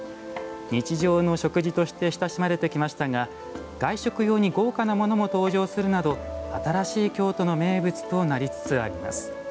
日常の食事として親しまれてきましたが外食用に豪華なものも登場するなど新しい京都の名物になりつつあります。